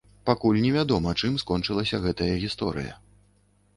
Пакуль невядома, чым скончылася гэтая гісторыя.